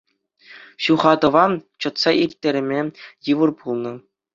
Ҫухатӑва чӑтса ирттерме йывӑр пулнӑ.